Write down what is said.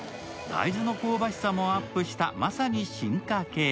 大豆の香ばしさもアップしたまさに進化形。